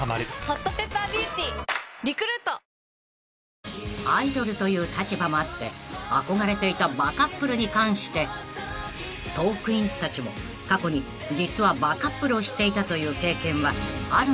ピンポーン［アイドルという立場もあって憧れていたバカップルに関してトークィーンズたちも過去に実はバカップルをしていたという経験はあるんでしょうか］